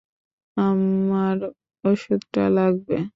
আমার ওষুধটা লাগবে।